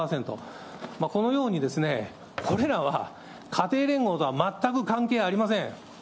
このように、これらは家庭連合とは全く関係ありません。